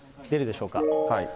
出るでしょうか。